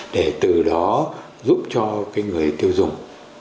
để từ đó giúp cho người tiêu dùng người tiêu dùng người tiêu dùng người tiêu dùng